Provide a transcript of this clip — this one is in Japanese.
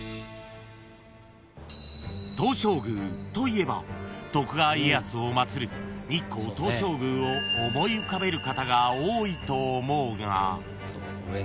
［東照宮といえば徳川家康を祭る日光東照宮を思い浮かべる方が多いと思うが］